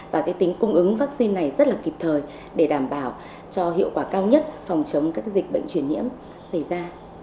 và tính cung ứng vắc xin này rất kịp thời để đảm bảo cho hiệu quả cao nhất phòng chống các dịch bệnh truyền nhiễm xảy ra